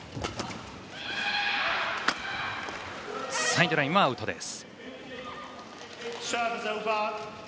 サイドラインはアウトです。